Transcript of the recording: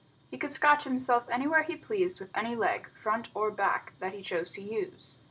He could scratch himself anywhere he pleased with any leg, front or back, that he chose to use.